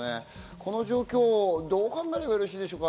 この状況をどう考えればよろしいでしょうか？